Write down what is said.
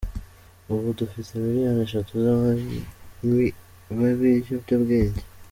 Ubu dufite miliyoni eshatu z’abanywi b’ibiyobyabwenge.